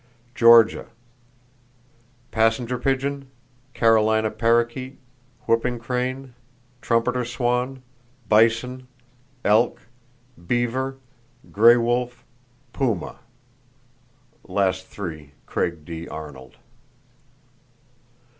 Georgia: Passenger pigeon, Carolina parrakeet, whooping crane, trumpeter swan; bison, elk, beaver, gray wolf, puma.—(Last 3, Craig D. Arnold.)